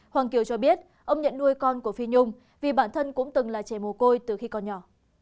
hoàng kiều cho biết ông nhận nuôi con của phi nhung vì bản thân cũng từng là trẻ mồ côi từ khi còn nhỏ